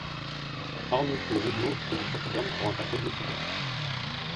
Arnulfo Rubio fait du trafic d'armes pour un cartel mexicain.